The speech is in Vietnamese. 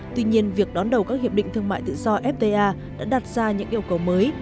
tuy nhiên việc đón đầu các hiệp định thương mại tự do fta đã đặt ra những yêu cầu mới